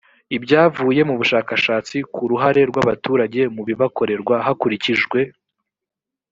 ibyavuye mu bushakashatsi k uruhare rw abaturage mu bibakorerwa hakurikijwe